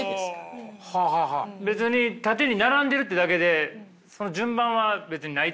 別に縦に並んでるってだけで順番は別にないと。